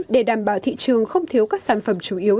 để đảm bảo thị trường không thiếu các sản phẩm chủ yếu